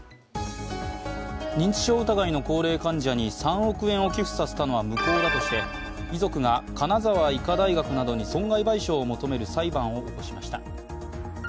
認知症疑いの高齢患者に３億円を寄付させたのは無効だとして、遺族が金沢医科大学などに損害賠償を求める裁判を起こしました。